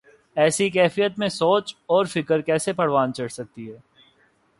ایسی کیفیت میں سوچ اور فکر کیسے پروان چڑھ سکتی ہے۔